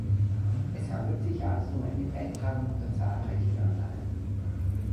Es handelt sich also um einen Beitrag unter zahlreichen anderen.